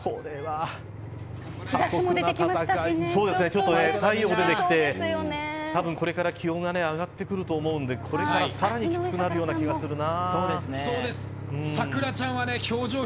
ちょっと太陽出てきてたぶんこれから気温が上がってくると思うんでこれからさらにきつくなるような気がするな。